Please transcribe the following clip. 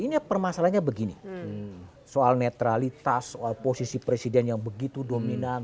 ini permasalahannya begini soal netralitas posisi presiden yang begitu dominan